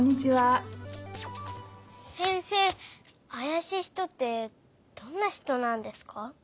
せんせいあやしい人ってどんな人なんですか？